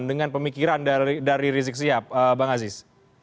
dengan pemikiran dari rizik sihab bang aziz